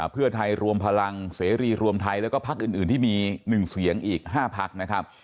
เพื่อไทยรวมพลังเสรีรวมไทยแล้วก็พักอื่นที่มี๑เสียงอีก๕พักนะครับ